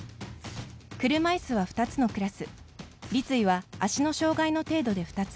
車いすは、２つのクラス立位は、足の障がいの程度で２つ。